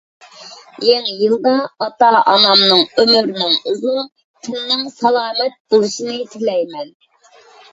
يېڭى يىلدا ئاتا-ئانامنىڭ ئۆمرىنىڭ ئۇزۇن، تېنىنىڭ سالامەت بولۇشىنى تىلەيمەن.